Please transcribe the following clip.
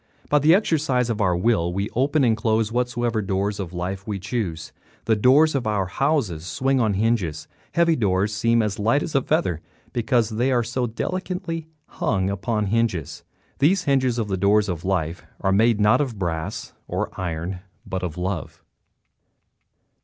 By the exercise of our will we open and close whatsoever doors of life we choose. The doors of our houses swing on hinges. Heavy doors seem as light as a feather because they are so delicately hung upon hinges. The hinges of the doors of life are made not of brass or iron, but of love.